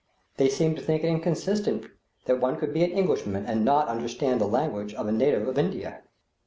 They seem to think it inconsistent that one could be an Englishman and not understand the language of a native of India.